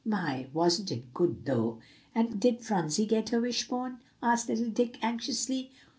"My! wasn't it good, though!" "And did Phronsie get her wish bone?" asked little Dick anxiously.